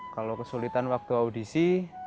kalau kesulitan waktu audisi